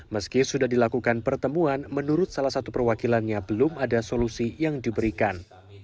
meski sudah dilakukan pertemuan menurut salah satu perwakilannya belum ada solusi yang diberikan